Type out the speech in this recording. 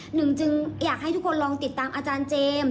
หนึ่งจึงอยากให้ทุกคนลองติดตามอาจารย์เจมส์